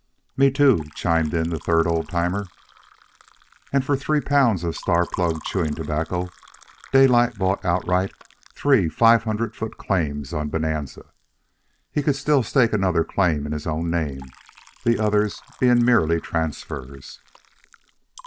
"Me, too," chimed in the third old timer. And for three pounds of Star plug chewing tobacco, Daylight bought outright three five hundred foot claims on Bonanza. He could still stake another claim in his own name, the others being merely transfers.